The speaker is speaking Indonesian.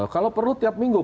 kalau perlu tiap minggu